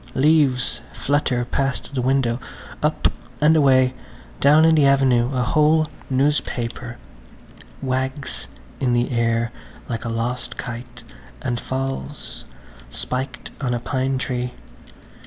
Leaves flutter past the window, up and away; down in the avenue a whole newspaper wags in the air like a lost kite and falls, spiked on a pine tree.